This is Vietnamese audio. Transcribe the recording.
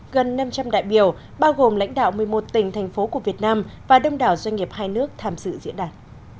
gần năm trăm linh đại biểu bao gồm lãnh đạo một mươi một tỉnh thành phố của việt nam và đông đảo doanh nghiệp hai nước tham dự diễn đàn